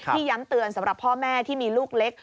ย้ำเตือนสำหรับพ่อแม่ที่มีลูกเล็ก